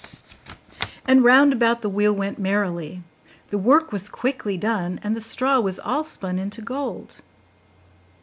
And round about the wheel went merrily; the work was quickly done, and the straw was all spun into gold.